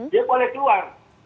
dia boleh keluar